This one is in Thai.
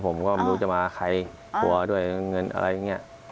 ผมก็ไม่รู้จะมาใครกลัวด้วยเงินอะไรอย่างนี้